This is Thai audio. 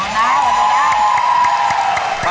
ประตูน้ำ